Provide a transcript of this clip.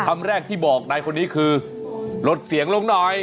คำแรกที่บอกนายคนนี้คือลดเสียงลงหน่อย